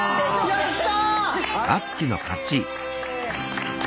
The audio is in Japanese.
やった！